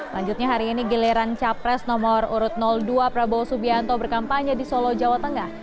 lanjutnya hari ini giliran capres nomor urut dua prabowo subianto berkampanye di solo jawa tengah